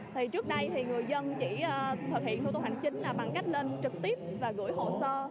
thì trước đây thì người dân chỉ thực hiện thủ tục hành chính là bằng cách lên trực tiếp và gửi hồ sơ